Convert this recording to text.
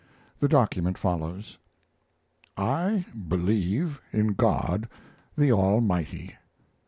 The document follows: I believe in God the Almighty.